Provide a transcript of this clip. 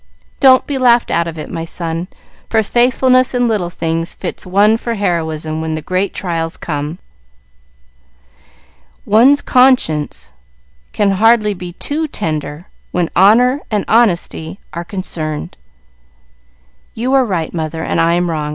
Don't be laughed out of it, my son, for faithfulness in little things fits one for heroism when the great trials come. One's conscience can hardly be too tender when honor and honesty are concerned." "You are right, mother, and I am wrong.